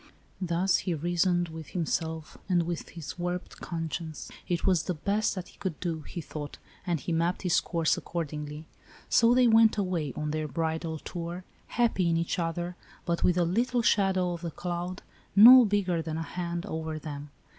Thus he reasoned with himself and his warped 92 ALICE ; OR, THE WAGES OF SIN. conscience. It was the best that he could do, he thought, and he mapped his course accordingly. So they went away on their bridal tour, happy in each other, but with the little shadow of a cloud, no bigger than a hand, over them.